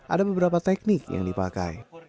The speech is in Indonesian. ada beberapa teknik yang dipakai